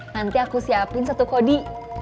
nanti aku siapin satu kodi